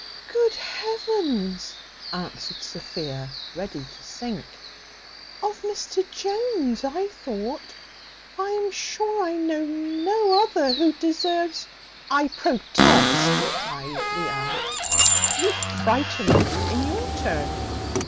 "Good heavens," answered Sophia, ready to sink, "of Mr Jones, I thought; I am sure I know no other who deserves " "I protest," cries the aunt, "you frighten me in your turn.